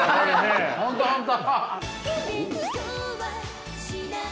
本当本当。